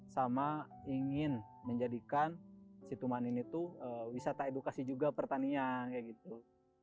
sama ingin menjadikan si tuman ini tuh wisata edukasi juga pertanian kayak gitu